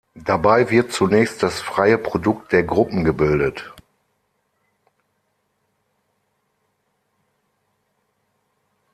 Dabei wird zunächst das freie Produkt der Gruppen gebildet.